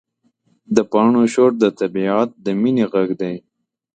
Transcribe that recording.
د پاڼو شور د طبیعت د مینې غږ دی.